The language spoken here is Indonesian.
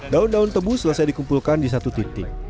daun daun tebu selesai dikumpulkan di satu titik